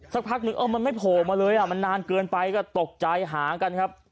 สักพักนึงเออมันไม่โผล่มาเลยมันนานเกินไปก็ตกใจหากันครับ